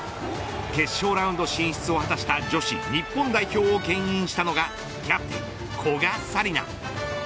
決勝ラウンド進出を果たした女子日本代表をけん引したのがキャプテン古賀紗理那。